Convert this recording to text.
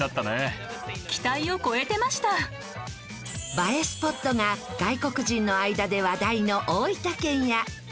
映えスポットが外国人の間で話題の大分県や。